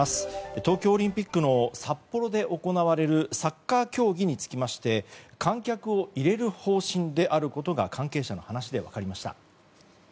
東京オリンピックの札幌で行われるサッカー競技につきまして観客を入れる方針であることが関係者の話で分かりました。